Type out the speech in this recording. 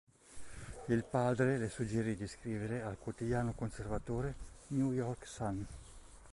Il padre le suggerì di scrivere al quotidiano conservatore "New York Sun".